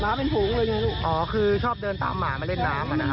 หมาเป็นผูงเลยอย่างไรลูกอ๋อคือชอบเดินตามหมามาเล่นน้ำนะครับ